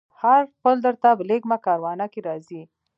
هر پل درته بلېږمه کاروانه که راځې